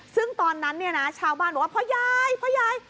ซึ่งตอนนั้นชาวบ้านบอกว่าพ่อใหญ่พ่อใหญ่